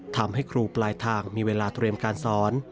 ทำให้ครูปลายทางมีเวลาเตรียมการสอน